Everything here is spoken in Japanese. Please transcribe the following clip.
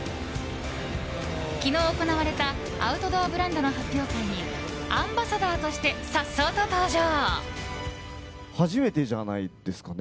昨日、行われたアウトドアブランドの発表会にアンバサダーとしてさっそうと登場。